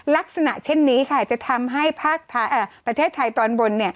ลักษณะเช่นนี้ค่ะจะทำให้ภาคประเทศไทยตอนบน